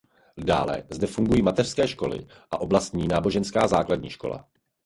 Dále zde fungují mateřské školy a oblastní náboženská základní škola.